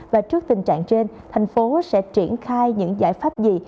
và trước tình trạng trên thành phố sẽ triển khai những giải pháp gì